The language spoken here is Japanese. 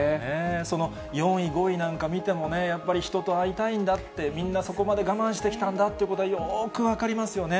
その４位、５位なんか見てもね、やっぱり人と会いたいんだって、みんなそこまで我慢してきたんだということがよーく分かりますよね。